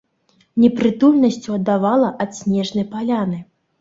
Непрытульнасцю аддавала ад снежнай паляны.